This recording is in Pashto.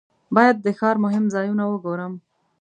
باید د ښار مهم ځایونه وګورم.